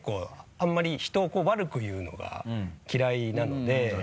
あんまり人を悪く言うのが嫌いなので。